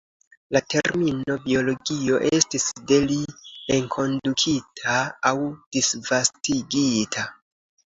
La termino "biologio" estis de li enkondukita aŭ disvastigita.